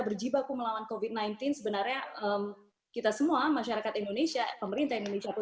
berjibaku melawan covid sembilan belas sebenarnya kita semua masyarakat indonesia pemerintah indonesia pun